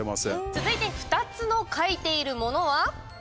続いて２つのかいているものは。